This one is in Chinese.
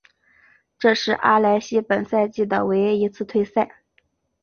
这是阿莱西本赛季的唯一一次退赛。